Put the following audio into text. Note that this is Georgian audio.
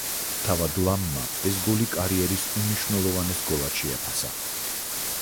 თავად ლამმა ეს გოლი კარიერის უმნიშვნელოვანეს გოლად შეაფასა.